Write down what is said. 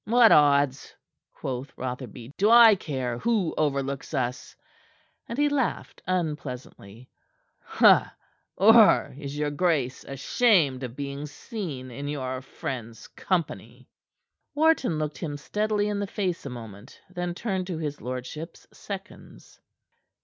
"What odds?" quoth Rotherby. "Do I care who overlooks us?" And he laughed unpleasantly. "Or is your grace ashamed of being seen in your friend's company?" Wharton looked him steadily in the face a moment, then turned to his lordship's seconds.